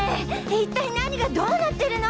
一体何がどうなってるの！？